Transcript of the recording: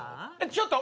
ちょっと！